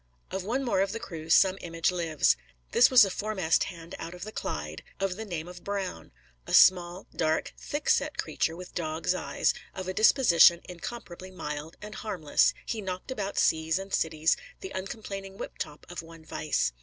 Of one more of the crew, some image lives. This was a foremast hand out of the Clyde, of the name of Brown. A small, dark, thickset creature, with dog's eyes, of a disposition incomparably mild and harmless, he knocked about seas and cities, the uncomplaining whiptop of one vice.